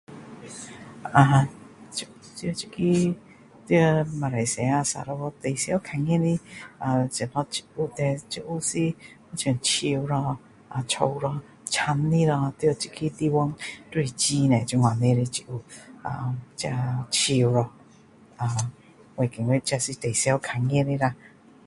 啊在这个在马来西亚 Sarawak 最常看到树咯草咯青的咯在这个地方都是很多这样的植物这树咯我觉得这是最常看到的